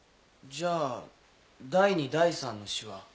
じゃあ第二第三の詩は？